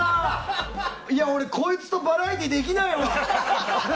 俺、こいつとバラエティーできないわ！